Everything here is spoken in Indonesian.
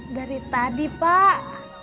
dari tadi pak